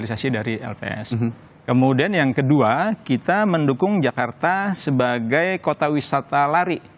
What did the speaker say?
kemudian yang kedua kita mendukung jakarta sebagai kota wisata lari